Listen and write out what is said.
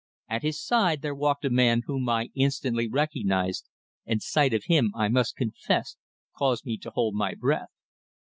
At his side there walked a man whom I instantly recognized, and sight of him, I must confess, caused me to hold my breath.